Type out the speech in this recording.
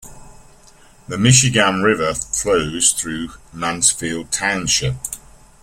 The Michigamme River flows through Mansfield Township.